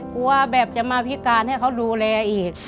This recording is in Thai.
แบบจะมาพิการให้เขาดูแลอีก